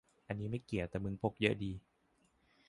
อันนี้ไม่เกี่ยว แต่มึงพกเยอะดี